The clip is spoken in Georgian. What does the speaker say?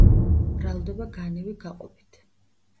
მრავლდება განივი გაყოფით.